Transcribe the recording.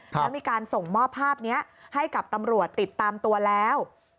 แล้วมีการส่งมอบภาพนี้ให้กับตำรวจติดตามตัวแล้ว